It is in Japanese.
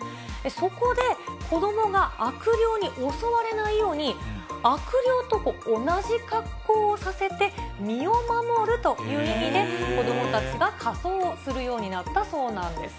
そこで、子どもが悪霊に襲われないように、悪霊と同じ格好をさせて、身を守るという意味で、子どもたちが仮装をするようになったそうなんです。